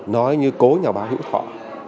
nói như cố nhà báo hữu thọ